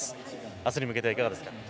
明日に向けて、いかがですか。